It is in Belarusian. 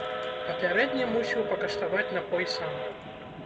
Папярэдне мусіў пакаштаваць напой сам.